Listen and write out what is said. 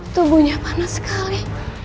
tubuhnya panas sekali